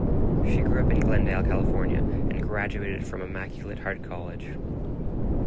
She grew up in Glendale, California, and graduated from Immaculate Heart College.